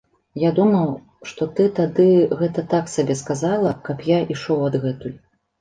Я думаў, што ты тады гэта так сабе сказала, каб я ішоў адгэтуль.